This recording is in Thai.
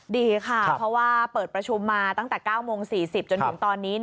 ดีค่ะเพราะว่าเปิดประชุมมาตั้งแต่๙โมง๔๐จนถึงตอนนี้